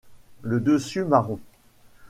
Le dessus marron.